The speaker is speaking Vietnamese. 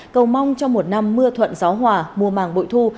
cầu mong cho một năm mưa thuận gió hòa mùa màng bội thu